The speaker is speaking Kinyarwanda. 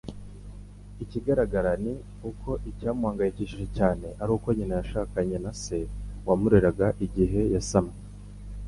Ikigaragara ni uko icyamuhangayikishije cyane ari uko nyina yashakanye na se wamureraga igihe yasamwe.